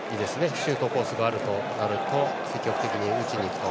シュートコースがあるとなると積極的に打ちに行くと。